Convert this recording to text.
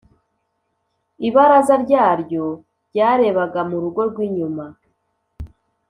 Ibaraza ryaryo ryarebaga mu rugo rw inyuma